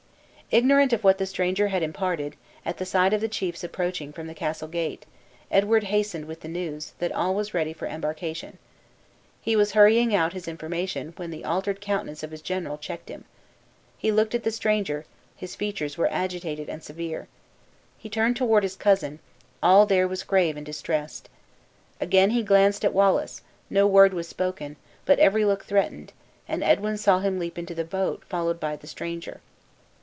Ignorant of what the stranger had imparted, at the sight of the chiefs approaching from the castle gate, Edward hastened with the news, that all was ready for embarkation. He was hurrying out his information, when the altered countenance of his general checked him. He looked at the stranger; his features were agitated and severe. He turned toward his cousin, all there was grave and distressed. Again he glanced at Wallace; no word was spoken, but every look threatened, and Edwin saw him leap into the boat, followed by the stranger.